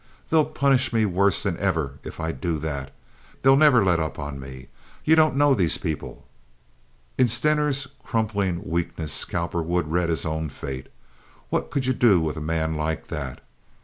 They'll punish me worse than ever if I do that. They'll never let up on me. You don't know these people." In Stener's crumpling weakness Cowperwood read his own fate. What could you do with a man like that?